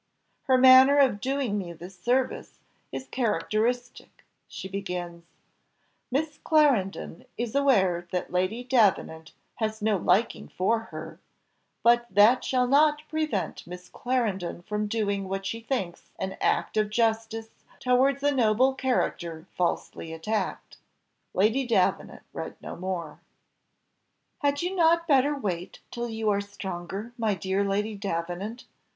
Her manner of doing me this service is characteristic: she begins, "'Miss Clarendon is aware that Lady Davenant has no liking for her, but that shall not prevent Miss Clarendon from doing what she thinks an act of justice towards a noble character falsely attacked.'" Lady Davenant read no more. "Had not you better wait till you are stronger, my dear Lady Davenant!"